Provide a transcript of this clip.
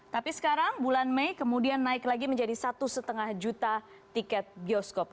tapi sekarang bulan mei kemudian naik lagi menjadi satu lima juta tiket bioskop